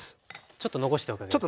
ちょっと残しておくわけですね。